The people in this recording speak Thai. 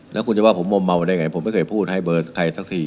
แล้วคุณจะว่าผมมอมเมาได้ไงผมไม่เคยพูดให้เบอร์ใครสักที